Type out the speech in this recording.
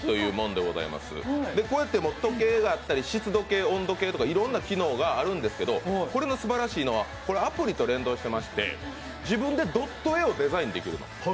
こうやって時計があったり、湿度計、温度計といろんな機能があるんですが、これのすばらしいのは、アプリと連動してまして、自分でドット絵をデザインできるの。